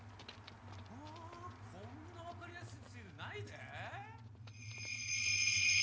はあこんなわかりやすい地図ないで。